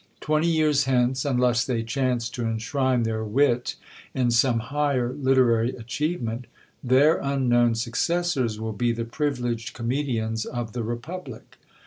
Twenty years hence, unless they chance to enshrine their wit in some higher literary achievement, their unknown successors will be the privileged comedians of the republic.